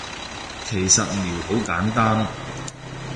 其實撩好簡單